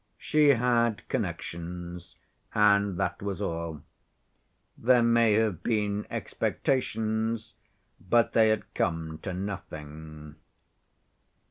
She had connections, and that was all. There may have been expectations, but they had come to nothing.